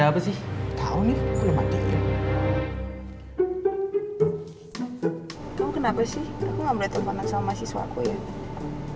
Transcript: aku gak boleh telfonan sama mahasiswaku ya